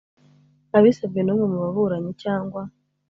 Abisabwe N Umwe Mu Baburanyi Cyangwa